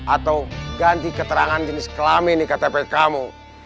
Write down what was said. atau ganti keterangan jenis kelamin di ktp kamu